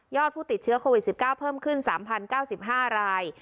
ผู้ติดเชื้อโควิด๑๙เพิ่มขึ้น๓๐๙๕ราย